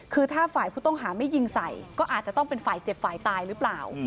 คือถ้าฝ่ายผู้ต้องหาไม่ยิงใส่ก็อาจจะต้องเป็นฝ่ายเจ็บฝ่ายตายหรือเปล่า